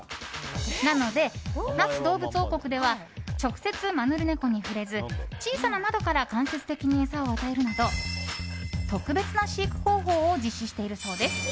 なので、那須どうぶつ王国では直接マヌルネコに触れず小さな窓から間接的に餌を与えるなど特別な飼育方法を実施しているそうです。